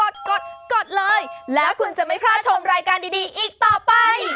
ใช่แล้วนะนะคะใช่แล้ว